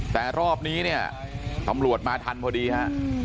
แต่รอบนี้เนี่ยตำรวจมาทันพอดีฮะ